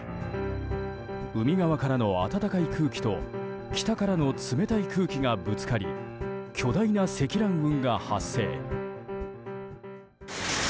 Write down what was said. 海側からの暖かい空気と北からの冷たい空気がぶつかり巨大な積乱雲が発生。